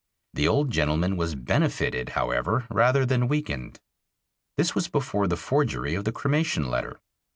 The old gentleman was benefited, however, rather than weakened. This was before the forgery of the cremation letter.